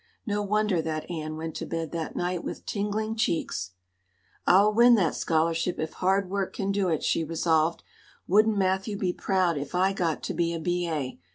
No wonder that Anne went to bed that night with tingling cheeks! "I'll win that scholarship if hard work can do it," she resolved. "Wouldn't Matthew be proud if I got to be a B.A.?